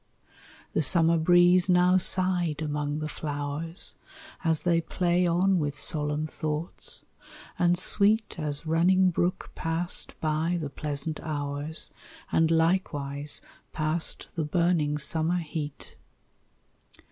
The summer breeze now sighed among the flowers As they play on with solemn thoughts; and sweet As running brook passed by the pleasant hours, And likewise passed the burning summer heat.